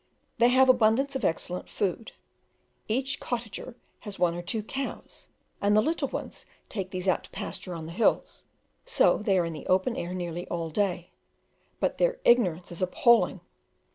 They have abundance of excellent food. Each cottager has one or two cows, and the little ones take these out to pasture on the hills, so they are in the open air nearly all day: but their ignorance is appalling!